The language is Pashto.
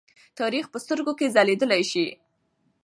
تاریخ په سترګو کې ځليدلی شي.